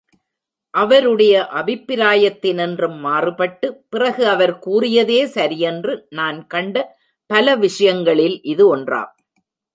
அவருடைய அபிப்பிராயத்தினின்றும் மாறுபட்டு, பிறகு அவர் கூறியதே சரியென்று நான் கண்ட பல விஷயங்களில் இது ஒன்றாம்.